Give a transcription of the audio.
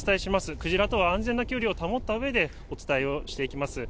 クジラとは安全な距離を保ったうえでお伝えをしていきます。